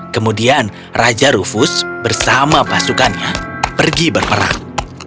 kemudian raja rufus bersama pasukannya pergi berperang